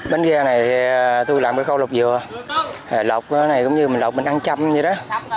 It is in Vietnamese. bến ghe này thì tôi làm cái khâu lọc dừa lọc cái này cũng như mình lọc bên ăn chăm vậy đó